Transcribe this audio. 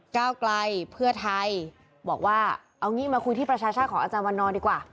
ก้าวไกลเพื่อไทยบอกว่าเอางี้มาคุยที่ประชาชาติของอาจารย์วันนอนดีกว่า